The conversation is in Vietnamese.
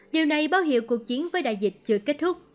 điều này báo hiệu cuộc chiến với đại dịch chưa kết thúc